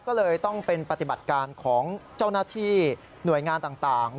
ก็เลยต้องเป็นปฏิบัติการของเจ้าหน้าที่หน่วยงานต่าง